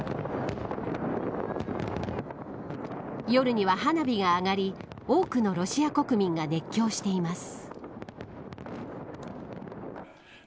夜には花火が上がり多くのロシア国民が熱狂しています。